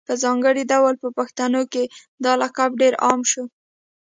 په ځانګړي ډول په پښتنو کي دا لقب ډېر عام شو